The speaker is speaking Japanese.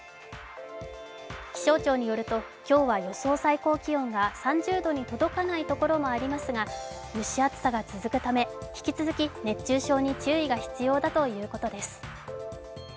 気象庁によると、今日は予想最高気温が３０度に届かないところもありますが、蒸し暑さが続くため、引き続き熱中症に注意が必要だということです。